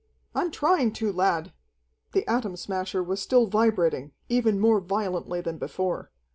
"I'm trying to, lad!" The Atom Smasher was still vibrating, even more violently than before.